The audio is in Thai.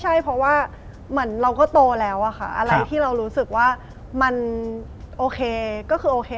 ใช่เพราะว่าเหมือนเราก็โตแล้วอะค่ะอะไรที่เรารู้สึกว่ามันโอเคก็คือโอเค